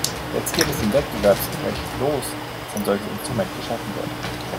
Jetzt geht es im Wettbewerbsrecht los, dass ein solches Instrument geschaffen wird.